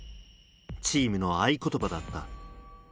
チームの合言葉だった。